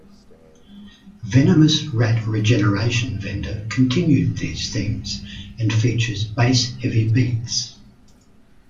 "Venomous Rat Regeneration Vendor" continued these themes, and features "bass-heavy" beats.